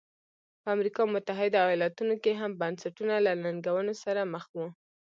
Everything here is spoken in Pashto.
په امریکا متحده ایالتونو کې هم بنسټونه له ننګونو سره مخ وو.